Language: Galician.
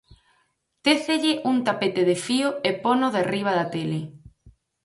Técelle un tapete de fío e pono derriba da tele.